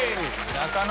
中野！